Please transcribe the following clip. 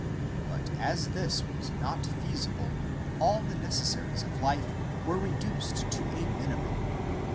But as this was not feasible, all the necessaries of life were reduced to a minimum.